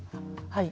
はい。